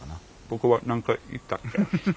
僕は何か言ったっけ？